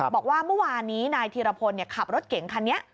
บอกว่าเมื่อวานนี้นายธีรพลขับรถเก่งคันนี้